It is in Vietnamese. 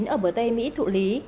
ở bờ tây mỹ thụ lý